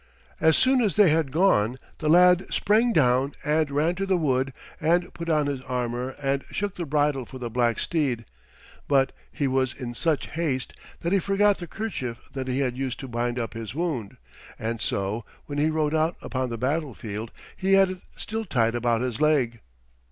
As soon as they had gone the lad sprang down and ran to the wood and put on his armor and shook the bridle for the black steed, but he was in such haste, that he forgot the kerchief that he had used to bind up his wound, and so, when he rode out upon the battle field, he had it still tied about his leg.